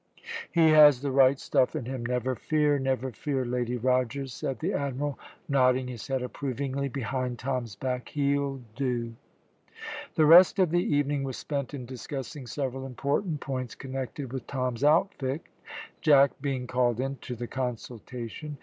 "He has the right stuff in him, never fear, never fear, Lady Rogers," said the Admiral, nodding his head approvingly behind Tom's back; "he'll do." The rest of the evening was spent in discussing several important points connected with Tom's outfit, Jack being called in to the consultation.